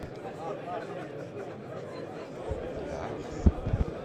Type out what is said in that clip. Tebɛeɣ-t.